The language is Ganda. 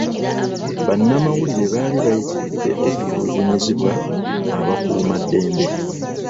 Bannamawulire baali bayitiredde okutulugunyizibwa abakuumaddembe.